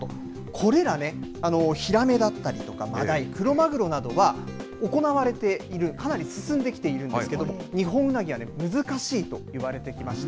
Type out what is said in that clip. これらね、ヒラメだったりとか、マダイ、クロマグロなどは行われている、かなり進んできているんですけれども、ニホンウナギは難しいといわれてきました。